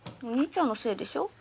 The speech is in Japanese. お兄ちゃんのせいでしょ？